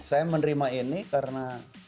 saya menerima ini karena